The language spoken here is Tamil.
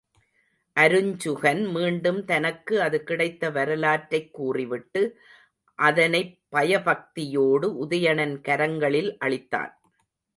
அருஞ்சுகன் மீண்டும் தனக்கு அது கிடைத்த வரலாற்றைக் கூறிவிட்டு, அதனைப் பயபக்தியோடு உதயணன் கரங்களில் அளித்தான்.